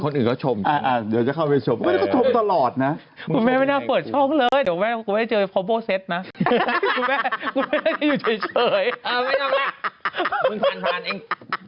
ลองชมบ้างสิชมเหมือนคนอื่นก็ชมจริง